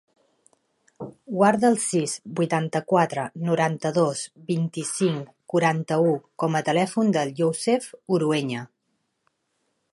Guarda el sis, vuitanta-quatre, noranta-dos, vint-i-cinc, quaranta-u com a telèfon del Youssef Urueña.